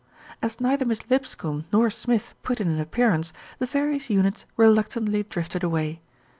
As neither Miss Lipscombe nor Smith put in an ap pearance, the various units reluctantly drifted away.